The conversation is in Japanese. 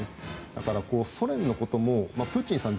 だから、ソ連のこともプーチンさん